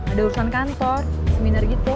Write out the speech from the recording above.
ada urusan kantor seminar gitu